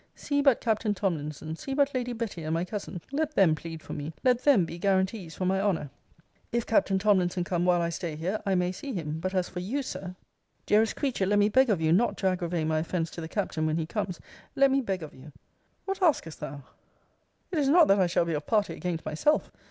See but Captain Tomlinson. See but Lady Betty and my cousin; let them plead for me; let them be guarantees for my honour. If Captain Tomlinson come while I stay here, I may see him; but as for you, Sir Dearest creature! let me beg of you not to aggravate my offence to the Captain when he comes. Let me beg of you What askest thou? It is not that I shall be of party against myself?